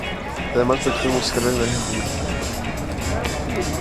Además participó en muchas carreras en Argentina.